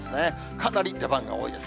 かなり出番が多いです。